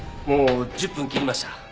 もう１０分切りました。